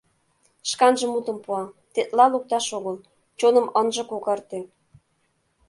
Шканже мутым пуа: тетла лукташ огыл, чоным ынже когарте.